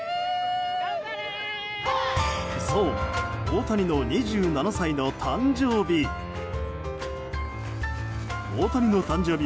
そう、大谷の２７歳の誕生日。